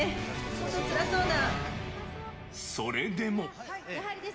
本当つらそうな。